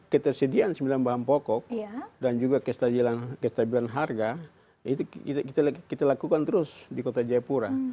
ketersediaan sembilan bahan pokok dan juga kestabilan harga itu kita lakukan terus di kota jayapura